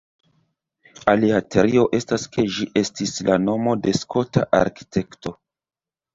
Alia teorio estas ke ĝi estis la nomo de Skota arkitekto.